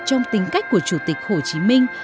trong tính cách của chủ tịch hồ chí minh